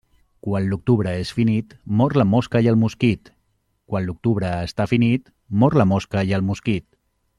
Quan l'octubre és finit, mor la mosca i el mosquit Quan l'octubre està finit, mor la mosca i el mosquit.